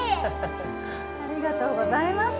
ありがとうございます